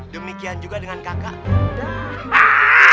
demikian juga dengan kakak